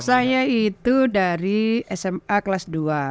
saya itu dari sma kelas dua